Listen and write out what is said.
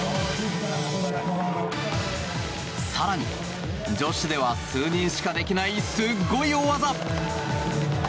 更に、女子では数人しかできないすっごい大技。